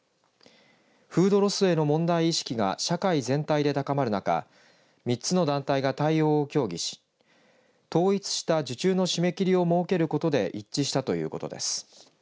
フードロスへの問題意識が社会全体で高まる中３つの団体が対応を協議し統一した受注の締め切りを設けることで一致したということです。